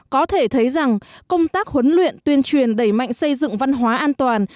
có thể thấy rằng công tác huấn luyện tuyên truyền đẩy mạnh xây dựng văn hóa an toàn